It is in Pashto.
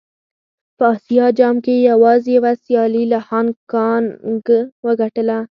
په اسيا جام کې يې يوازې يوه سيالي له هانګ کانګ وګټله.